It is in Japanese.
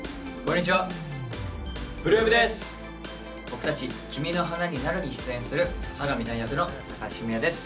僕たち「君の花になる」に出演する佐神弾役の高橋文哉です